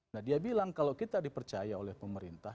nah dia bilang kalau kita dipercaya oleh pemerintah